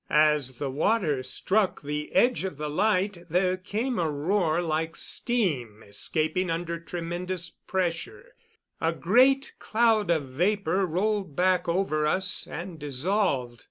As the water struck the edge of the light there came a roar like steam escaping under tremendous pressure; a great cloud of vapor rolled back over us and dissolved.